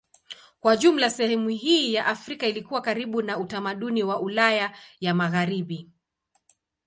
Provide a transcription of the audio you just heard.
Kwa jumla sehemu hii ya Afrika ilikuwa karibu na utamaduni wa Ulaya ya Magharibi.